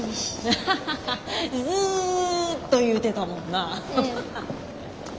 あはははずっと言うてたもんな。